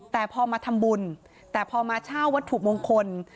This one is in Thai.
แต่พอมาทำบุญแต่พอมาเช่าวัตถุมงคล